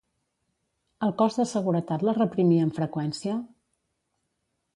El cos de seguretat la reprimia amb freqüència?